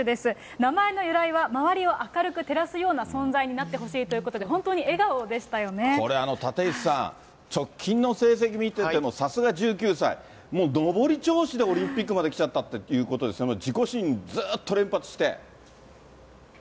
名前の由来は周りを明るく照らすような存在になってほしいというこれ、立石さん、直近の成績見てても、さすが１９歳、もう上り調子でオリンピックまで来ちゃったということで、自己新、ずっと連発して。